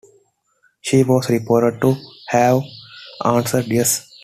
She was reported to have answered "Yes".